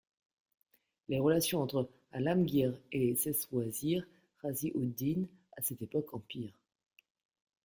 Les relations entre Alamgir et ses Wazir, Ghazi-ud-Din, à cette époque, empirent.